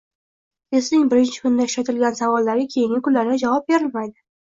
Testning birinchi kunida ishlatilgan savollarga keyingi kunlarda javob berilmaydi